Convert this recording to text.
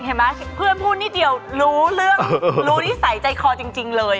เพื่อนพูดนิดเดียวรู้เรื่องรู้นิสัยใจคอจริงเลย